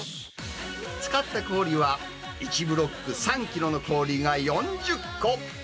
使った氷は、１ブロック３キロの氷が４０個。